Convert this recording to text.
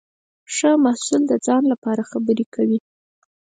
ښه محصول د ځان لپاره خبرې کوي.